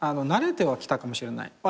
慣れてはきたかもしれない。